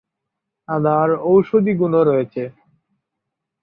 আদার ঔষধি গুণও রয়েছে।